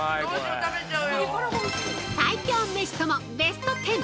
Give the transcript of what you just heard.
◆最強飯メシともベスト１０。